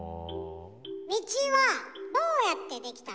道はどうやってできたの？